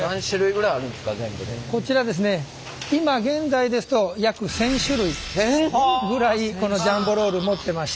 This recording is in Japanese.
こちらですね今現在ですと約１，０００種類ぐらいこのジャンボロール持ってまして。